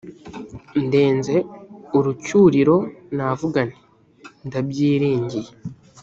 ndenze urucyuriro navuga nti ndabyiringiye